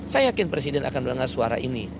saya yakin presiden akan mendengar suara ini